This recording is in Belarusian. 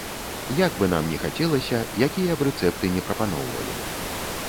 Як бы нам ні хацелася, якія б рэцэпты не прапаноўвалі.